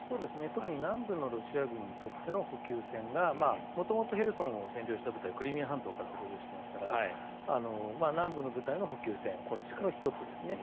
特に南部のロシア軍にとっての補給線が元々ヘルソンを占領した部隊はクリミア半島から北上していますから南部の部隊の補給線の１つですね。